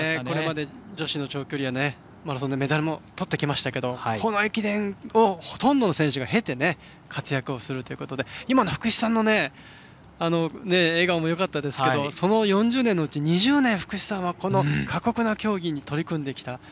これまで女子の長距離はマラソンでメダルもとってきましたけどこの駅伝をほとんどの選手が経て活躍をするということで今の福士さんの笑顔もよかったですけどその４０年のうち２０年福士さんは、この過酷な競技に取り組んできた。